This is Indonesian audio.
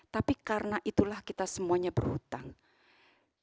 tapi karena itulah kita semuanya berhutang